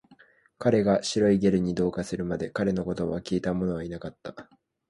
彼が白いゲルに同化するまで、彼の言葉を聞いたものはいなかった